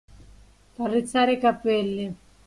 Far rizzare i capelli.